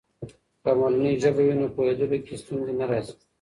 که مورنۍ ژبه وي، نو پوهیدلو کې ستونزې نه راځي.